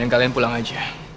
kalian pulang aja